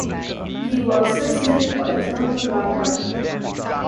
He was succeeded by Tony Blackburn.